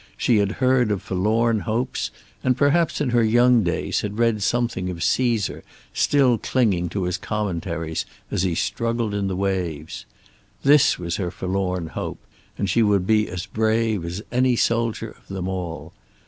She had heard of forlorn hopes, and perhaps in her young days had read something of Cæsar still clinging to his Commentaries as he struggled in the waves. This was her forlorn hope, and she would be as brave as any soldier of them all.